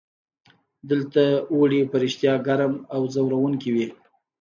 دلته اوړي په رښتیا ګرم او ځوروونکي وي.